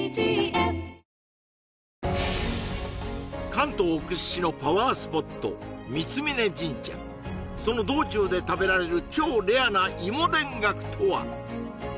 関東屈指のパワースポット三峯神社その道中で食べられる超レアないもでんがくとは？